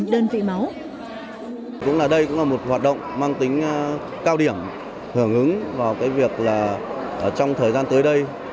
đây cũng là một hoạt động mang tính cao điểm hưởng ứng vào việc trong thời gian tới đây